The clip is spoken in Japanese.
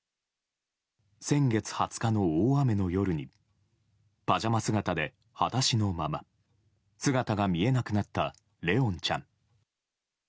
先月２０日の大雨の夜にパジャマ姿ではだしのまま姿が見えなくなった怜音ちゃん。